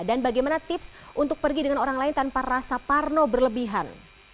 dan bagaimana tips untuk pergi dengan orang lain tanpa rasa parno berlebihan